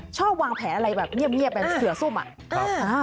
ชอบวางแผลอะไรแบบเงียบแบบเสือซุ่มอะ